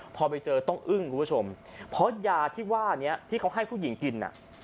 พอไปเจอต้องอึ้งคุณผู้ชมเพราะยาที่ว่านี้ที่เขาให้ผู้หญิงกินน่ะ